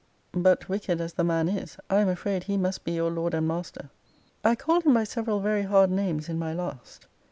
But, wicked as the man is, I am afraid he must be your lord and master. I called him by several very hard names in my last.